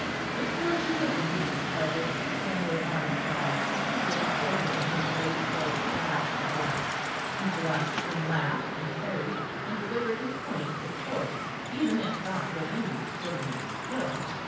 But still she was amused by this slender honest lad who stood there before her in his graceful splashed dress, and blushed and laughed and parried, and delivered his point with force, even if not with any extraordinary skill.